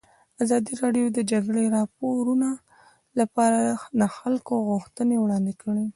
ازادي راډیو د د جګړې راپورونه لپاره د خلکو غوښتنې وړاندې کړي.